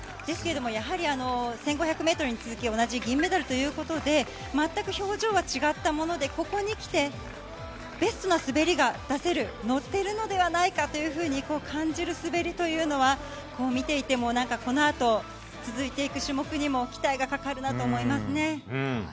ですけどもやはり１５００ｍに続き同じ銀メダルということで全く表情が違ったものでここにきてベストな滑りが出せる乗っているのではないかと感じる滑りというのは見ていてもこのあと続いていく種目にも期待がかかるなと思いますね。